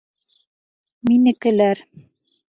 Минекеләр!